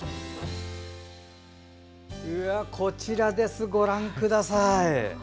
こちらです、ご覧ください。